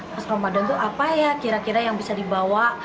pas ramadan itu apa ya kira kira yang bisa dibawa